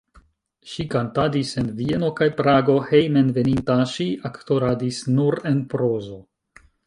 Ŝi kantadis en Vieno kaj Prago, hejmenveninta ŝi aktoradis nur en prozo.